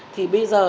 thì bây giờ